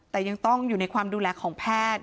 แต่ยังต้องอยู่ในความดูแลของแพทย์